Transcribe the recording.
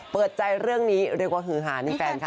เปิดใจเรื่องนี้เรียกว่าฮือหาในแฟนค่ะ